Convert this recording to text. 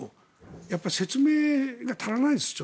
やっぱり説明が足らないです。